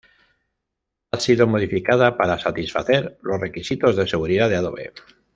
Ha sido modificada para satisfacer los requisitos de seguridad de Adobe.